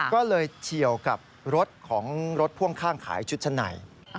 ก็เลยเฉียวกับรถของรถพ่วงข้างขายชุดชั้นใน